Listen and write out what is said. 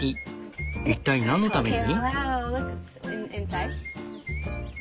一体なんのために？